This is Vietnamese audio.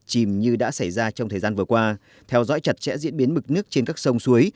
chìm như đã xảy ra trong thời gian vừa qua theo dõi chặt chẽ diễn biến mực nước trên các sông suối